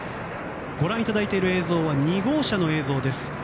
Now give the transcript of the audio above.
ご覧いただいている映像は２号車の映像です。